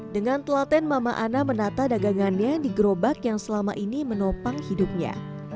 dengan telaten mama ana menata dagangannya di gerobak yang selama ini menopang hidupnya